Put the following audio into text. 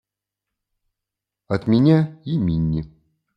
От меня и Минни.